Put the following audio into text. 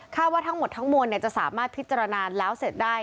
ว่าทั้งหมดทั้งมวลจะสามารถพิจารณาแล้วเสร็จได้